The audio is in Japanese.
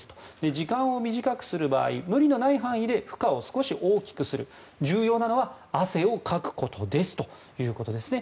時間を短くする場合無理のない範囲で負荷を少し大きくする重要なのは汗をかくことですということですね。